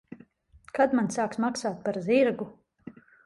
Kad man sāks maksāt par zirgu?